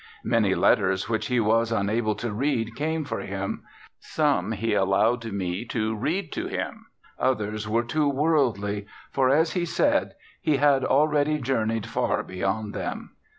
Many letters which he was unable to read came for him. Some he allowed me to read to him; others were too worldly, for, as he said, he had "already journeyed far beyond them."